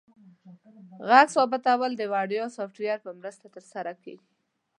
غږ ثبتول د وړیا سافټویر په مرسته ترسره کیږي.